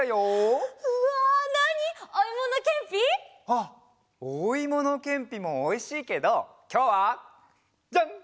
あっおいものけんぴもおいしいけどきょうはジャン！